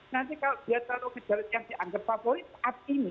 nanti kalau dia taruh ke jalur yang dianggap favorit saat ini